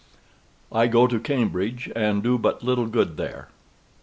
I GO TO CAMBRIDGE, AND DO BUT LITTLE GOOD THERE.